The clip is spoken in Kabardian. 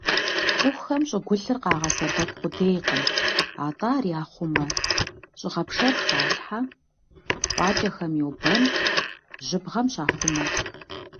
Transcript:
ЦӀыхухэм щӀыгулъыр къагъэсэбэп къудейкъым, атӀэ ар яхъумэ: щӀыгъэпшэр халъхьэ, къуакӀэхэм йобэн, жьыбгъэм щахъумэ.